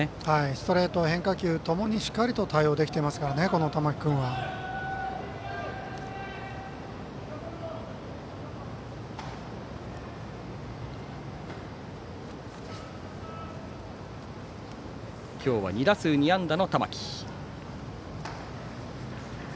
ストレート、変化球ともに対応できていますから、玉木君は。今日は２打数２安打の玉木。